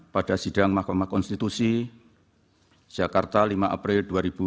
pada sidang mahkamah konstitusi jakarta lima april dua ribu dua puluh